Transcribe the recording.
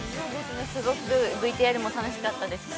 ◆すごくＶＴＲも楽しかったですし。